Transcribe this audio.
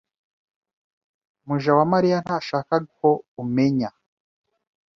Mujawamariya ntashaka ko umenya.